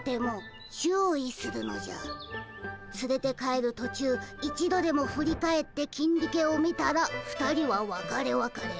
つれて帰る途中一度でも振り返ってキンディケを見たら２人はわかれわかれ。